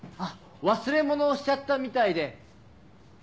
忘れ物をしちゃったみたいで。